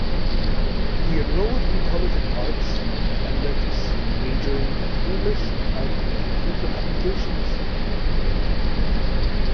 He enrolled in College of Arts and Letters, majoring in English and computer applications.